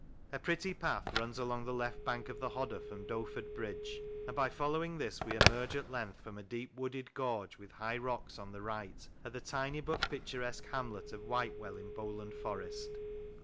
A pretty path runs along the left bank of the Hodder from Doeford bridge, and by following this we emerge at length from a deep wooded gorge, with high rocks on the right, at the tiny but picturesque hamlet of Whitewell, in Bowland Forest.